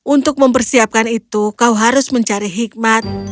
untuk mempersiapkan itu kau harus mencari hikmat